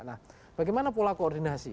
nah bagaimana pola koordinasi